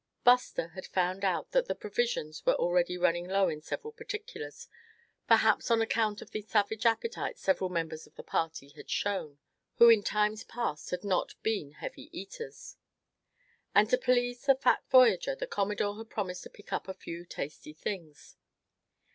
Buster had found out that the provisions were already running low in several particulars, perhaps on account of the savage appetites several members of the party had shown, who in times past had not been heavy eaters. And to please the fat voyager the Commodore had promised to pick up a few tasty things.